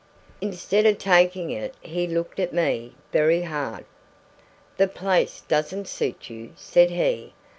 Instead of taking it he looked at me very hard. "The place doesn't suit you," said he.